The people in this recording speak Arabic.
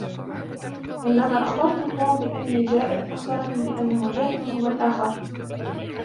عندما أخبرت توم بأني جائع، أخبرني بأنه جائع هو الآخر.